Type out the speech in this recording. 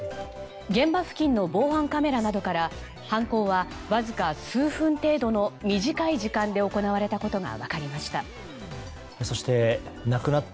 現場付近の防犯カメラなどから犯行は、わずか数分程度の短い時間で行われたことが分かりました。